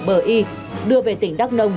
bờ y đưa về tỉnh đắk nông